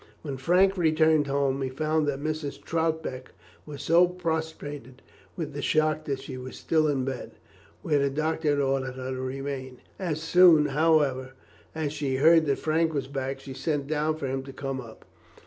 When Frank returned home he found that Mrs. Troutbeck was so prostrated with the shock that she was still in bed, where the doctor had ordered her to remain. As soon, however, as she heard that Frank was back, she sent down for him to come up.